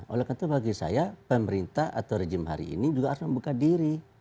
oleh karena itu bagi saya pemerintah atau rejim hari ini juga harus membuka diri